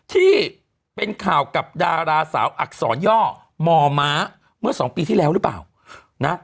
ที่เป็นข่าวกับดาราสาวอักษรย่อมอม้าเมื่อสองปีที่แล้วหรือเปล่านะ